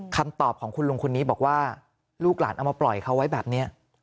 คำตอบของคุณลุงคนนี้บอกว่าลูกหลานเอามาปล่อยเขาไว้แบบนี้